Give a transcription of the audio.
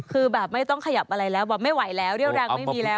คือแบบไม่ต้องขยับอะไรแล้วแบบไม่ไหวแล้วเรี่ยวแรงไม่มีแล้ว